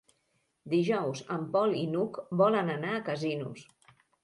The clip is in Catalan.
Dijous en Pol i n'Hug volen anar a Casinos.